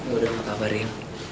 gue udah gak kabarin